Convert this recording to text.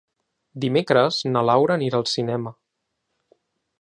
Dimecres na Laura anirà al cinema.